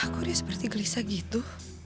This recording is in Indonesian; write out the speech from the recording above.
aku dia seperti gelisah gitu